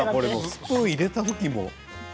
スプーンを入れた時も。